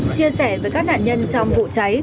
chia sẻ với các nạn nhân trong vụ cháy